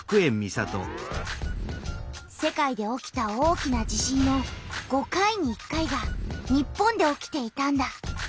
世界で起きた大きな地震の５回に１回が日本で起きていたんだ。